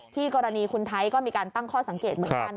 กรณีคุณไทยก็มีการตั้งข้อสังเกตเหมือนกัน